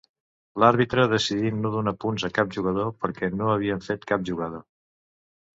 L'àrbitre decidí no donar punts a cap jugador, perquè no havien fet cap jugada.